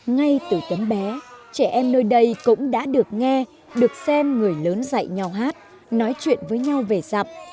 ngay từ tấm bé trẻ em nơi đây cũng đã được nghe được xem người lớn dạy nhau hát nói chuyện với nhau về dặm